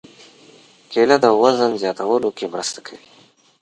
کېله د وزن زیاتولو کې مرسته کوي.